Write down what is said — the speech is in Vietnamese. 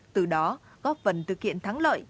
từ đó góp phần thực hiện thắng lợi